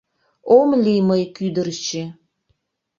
Ом лий мый кÿдырчö.